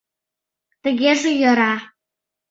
— Тыгеже йӧра.